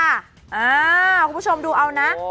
คุณผู้ชมดูเอานะ